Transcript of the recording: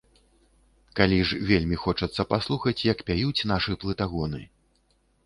Калі ж вельмі хочацца паслухаць, як пяюць нашы плытагоны.